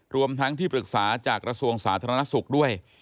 รวมทั้งที่ปรึกษาจากกระทรวงสาธารณสุขด้วย